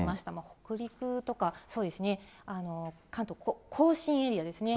北陸とか、そうですね、関東甲信エリアですね、